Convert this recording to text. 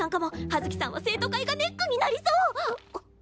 葉月さんは生徒会がネックになりそうあ。